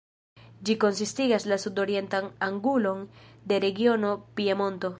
Ĝi konsistigas la sud-orientan angulon de regiono Piemonto.